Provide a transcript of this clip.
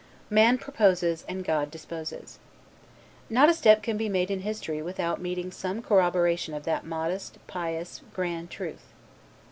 "Man proposes and God disposes." Not a step can be made in history without meeting with some corroboration of that modest, pious, grand truth.